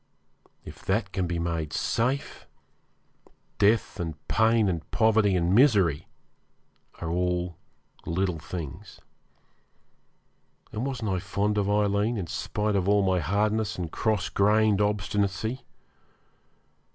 If that can be made safe, death and pain and poverty and misery are all little things. And wasn't I fond of Aileen, in spite of all my hardness and cross grained obstinacy?